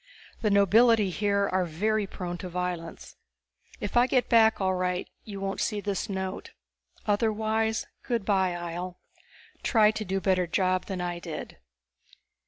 The nobility here are very prone to violence. If I get back all right you won't see this note. Otherwise good by, Ihjel. Try to do a better job than I did.